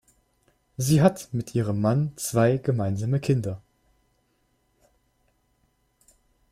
Sie hat mit ihrem Mann zwei gemeinsame Kinder.